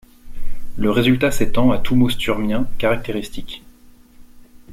Le résultat s'étend à tout mot Sturmien caractéristique.